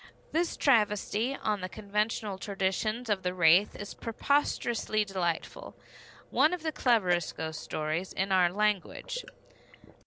This travesty on the conventional traditions of the wraith is preposterously delightful, one of the cleverest ghost stories in our language.